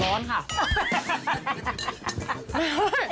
ร้อนค่ะ